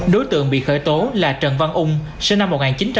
đối tượng bị khởi tố là trần văn ung sinh năm một nghìn chín trăm sáu mươi chín